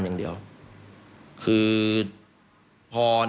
ฟังเสียงอาสามูลละนิทีสยามร่วมใจ